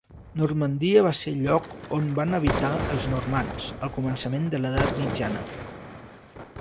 Normandia va ser el lloc on van habitar els normands al començament de l'edat mitjana.